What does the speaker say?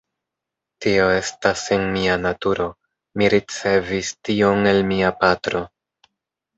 Tio estas en mia naturo, mi ricevis tion el mia patro.